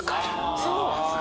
そう！